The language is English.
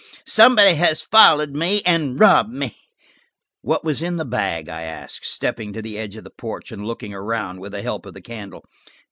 Somebody has followed me and robbed me!" "What was in the bag?" I asked, stepping to the edge of the porch and looking around, with the help of the candle.